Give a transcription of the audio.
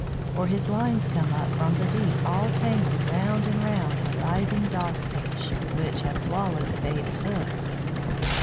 Or his lines come up from the deep all tangled round and round a writhing Dog fish, which had swallowed the baited hook.